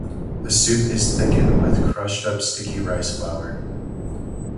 The soup is thicken with crushed up sticky rice flour.